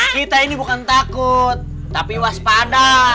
kita ini bukan takut tapi waspada